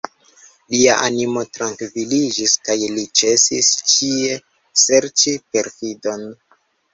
Lia animo trankviliĝis, kaj li ĉesis ĉie serĉi perfidon.